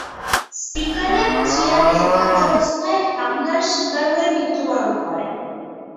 স্পিকারের চেয়ারে থাকাবস্থায় হামলার শিকার হয়ে মৃত্যুবরণ করেন।